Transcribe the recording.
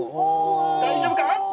大丈夫か？